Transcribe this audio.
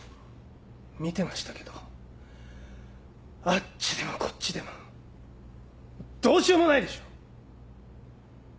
見てましたけどあっちでもこっちでもどうしようもないでしょう！